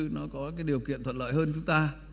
nó có cái điều kiện thuận lợi hơn chúng ta